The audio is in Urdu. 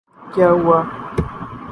کیا ہوا؟